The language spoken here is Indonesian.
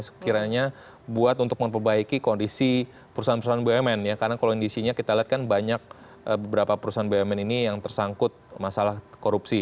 sekiranya buat untuk memperbaiki kondisi perusahaan perusahaan bumn ya karena kalau indisinya kita lihat kan banyak beberapa perusahaan bumn ini yang tersangkut masalah korupsi